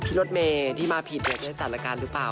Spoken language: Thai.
พี่โรดเมย์ที่มาผิดเนี่ยจะจัดรการรึเปล่า